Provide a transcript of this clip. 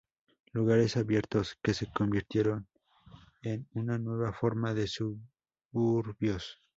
Lugares abiertos que se convirtieron en una nueva forma de suburbios.